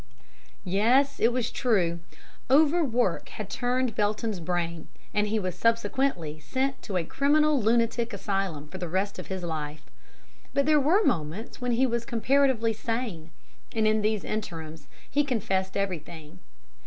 "Yes, it was true; overwork had turned Belton's brain, and he was subsequently sent to a Criminal Lunatic Asylum for the rest of his life. But there were moments when he was comparatively sane, and in these interims he confessed everything.